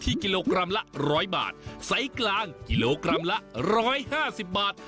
ที่กิโลกรัมละร้อยบาทไซส์กลางกิโลกรัมละร้อยห้าสิบบาท